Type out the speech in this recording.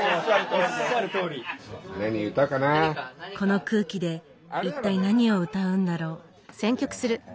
この空気で一体何を歌うんだろう？